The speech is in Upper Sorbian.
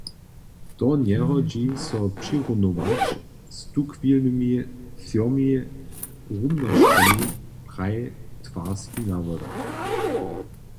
To njehodźi so přirunować z tuchwilnymi třomi rumnosćemi, praji twarski nawoda.